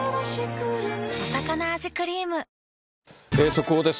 速報です。